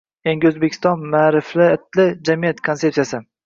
“Yangi O‘zbekiston – ma’rifatli jamiyat” konsepsiyasi